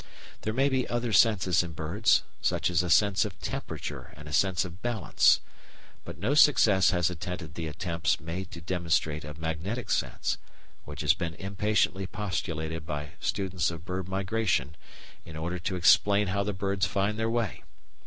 There may be other senses in birds, such as a sense of temperature and a sense of balance; but no success has attended the attempts made to demonstrate a magnetic sense, which has been impatiently postulated by students of bird migration in order to "explain" how the birds find their way.